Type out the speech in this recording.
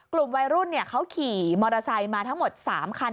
กลุ่มวัยรุ่นเขาขี่มอเตอร์ไซค์มาทั้งหมด๓คัน